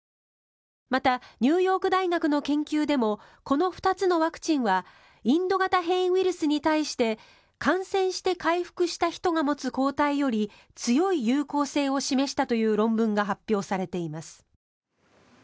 またニューヨーク大学の研究でもこの２つのワクチンはインド型変異ウイルスに対して感染して回復した人が持つ抗体より強い有効性を示したという論文が発表されています。